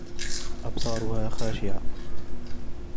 أبصارها خاشعة